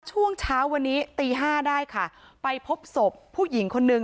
ช่วงเช้าวันนี้ตีห้าได้ค่ะไปพบศพผู้หญิงคนนึง